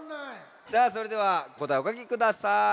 さあそれではこたえおかきください。